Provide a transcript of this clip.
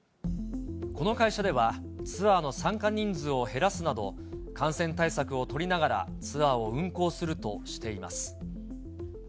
この会社では、ツアーの参加人数を減らすなど、感染対策を取りながらツアーを運行するとしています。